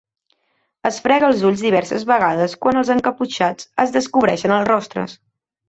Es frega els ulls diverses vegades quan els encaputxats es descobreixen els rostres.